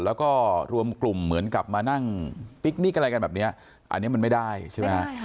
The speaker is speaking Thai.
แล้วก็รวมกลุ่มเหมือนกับมานั่งพิกนิกอะไรกันแบบนี้อันนี้มันไม่ได้ใช่ไหมฮะ